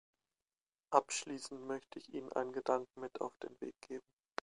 Abschließend möchte ich Ihnen einen Gedanken mit auf den Weg geben.